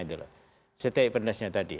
safety awareness nya tadi